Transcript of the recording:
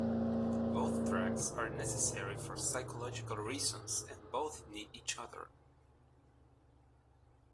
Both tracks are necessary for psychological reasons and both need each other.